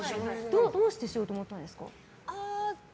どうしてしようと思ったんですか？